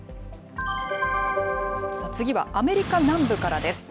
次はアメリカ南部からです。